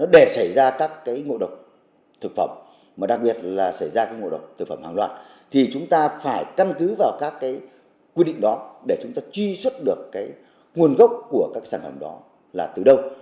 đặc biệt là nguồn gốc thực phẩm hàng loạt thì chúng ta phải căn cứ vào các quy định đó để chúng ta truy xuất được nguồn gốc của các sản phẩm đó là từ đâu